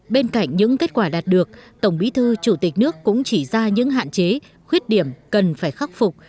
bên cạnh những kết quả đạt được tổng bí thư chủ tịch nước cũng chỉ ra những hạn chế khuyết điểm cần phải khắc phục